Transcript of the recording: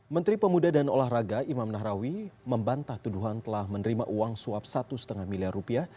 menteri pemuda dan olahraga imam nahrawi membantah tuduhan telah menerima uang suap satu lima miliar rupiah